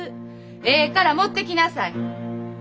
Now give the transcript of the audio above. ええから持ってきなさい！